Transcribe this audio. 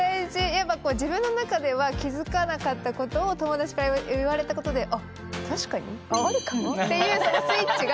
やっぱ自分の中では気付かなかったことを友達から言われたことであっっていうそのスイッチが。